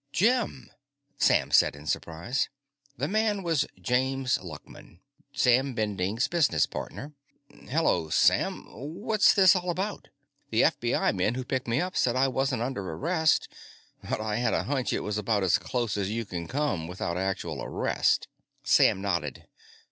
"Jim!" Sam said in surprise. The man was James Luckman, Sam Bending's business manager. "Hello, Sam. What's this all about? The FBI men who picked me up said I wasn't under arrest, but I had a hunch it was about as close as you can come without actual arrest." Sam nodded.